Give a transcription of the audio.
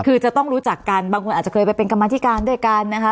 คือจะต้องรู้จักกันบางคนอาจจะเคยไปเป็นกรรมธิการด้วยกันนะคะ